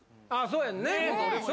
そうやんね